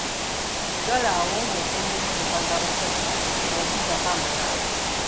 Sigala awo ng'okuuma emmotoka z'abasajja tebazibbako amataala.